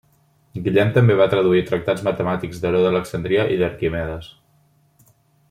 Guillem també va traduir tractats matemàtics d'Heró d'Alexandria i d'Arquimedes.